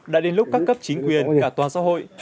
đã đến lúc các cấp chính quyền cả toàn xã hội